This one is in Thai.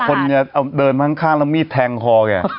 กลัวคนเนี่ยเดินมาข้างแล้วมีดแทงคอแก่